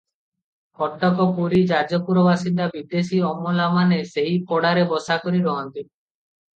କଟକ, ପୁରୀ, ଯାଜପୁର ବାସିନ୍ଦା ବିଦେଶୀ ଅମଲାମାନେ ସେହି ପଡ଼ାରେ ବସା କରି ରହନ୍ତି ।